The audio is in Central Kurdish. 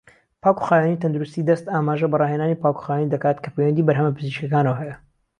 پاکوخاوێنی تەندروستی دەست ئاماژە بە ڕاهێنانی پاکوخاوێنی دەکات کە پەیوەندی بەرهەمە پزیشکیەکانەوە هەیە.